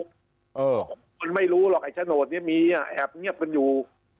คนไม่รู้หรอกไอ้ชะโนสเนี่ยมีแอบเงียบกันอยู่